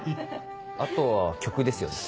あとは曲ですよね。